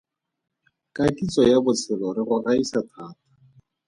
Ka kitso ya botshelo re go gaisa thata.